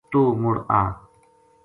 توہ مُڑ آ